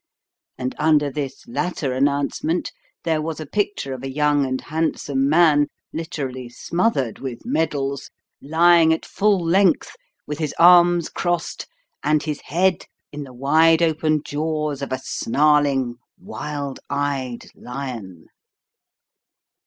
And under this latter announcement there was a picture of a young and handsome man, literally smothered with medals, lying at full length, with his arms crossed and his head in the wide open jaws of a snarling, wild eyed lion.